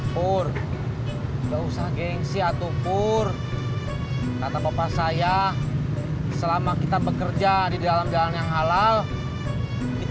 pur gausah gengsi atuh pur kata bapak saya selama kita bekerja di dalam jalan yang halal kita